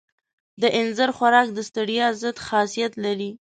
د اینځر خوراک د ستړیا ضد خاصیت لري.